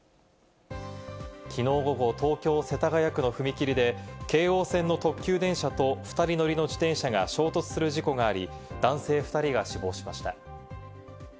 きのう午後、東京・世田谷区の踏切で、京王線の特急電車と２人乗りの自転車が衝突する事故があり、男性２人が死亡しました。